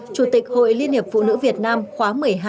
chủ tịch hội liên hiệp phụ nữ việt nam khóa một mươi hai